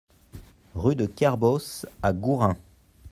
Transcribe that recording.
Rue de Kerbos à Gourin